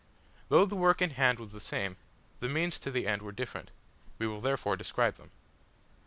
Though the work in hand was the same, the means to the end were different; we will therefore describe them.